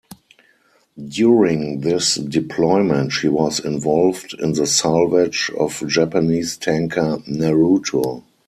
During this deployment she was involved in the salvage of Japanese tanker "Naruto".